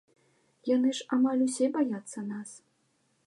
Яны ж амаль усе баяцца нас!